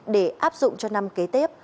để áp dụng cho năm kế tiếp